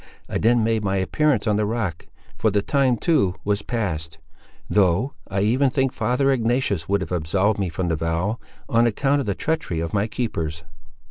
I then made my appearance on the rock, for the time too was passed; though I even think father Ignatius would have absolved me from the vow, on account of the treachery of my keepers."